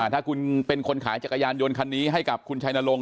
ถ้าคุณเป็นคนขายจักรยานยนต์คันนี้ให้กับคุณชัยนรงค